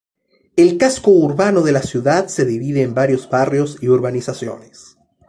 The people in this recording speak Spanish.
El casco urbano de la ciudad se divide en varios barrios y urbanizaciones.